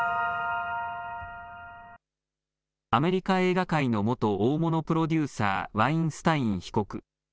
アメリカ映画界の元大物プロデューサー、ワインスタイン被告。